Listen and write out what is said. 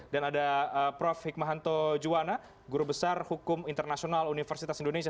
dan ada prof hikmahanto juwana guru besar hukum internasional universitas indonesia